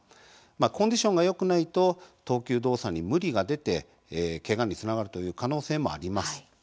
コンディションがよくないと投球動作に無理が出てけがにつながるという可能性もあります。